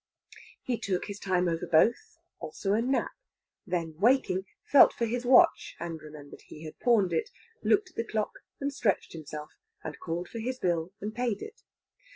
He took his time over both, also a nap; then, waking, felt for his watch and remembered he had pawned it; looked at the clock and stretched himself, and called for his bill and paid it.